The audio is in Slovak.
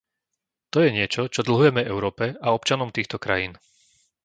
To je niečo, čo dlhujeme Európe a občanom týchto krajín.